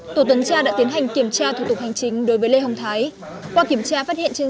tổ tuần tra đã tiến hành kiểm tra thủ tục hành chính đối với lê hồng thái qua kiểm tra phát hiện trên